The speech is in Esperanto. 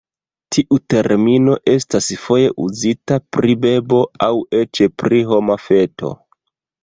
Tiu termino estas foje uzita pri bebo aŭ eĉ pri homa feto.